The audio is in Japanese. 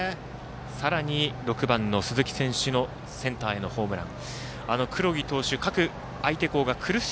さらに６番の鈴木選手のセンターへのホームラン。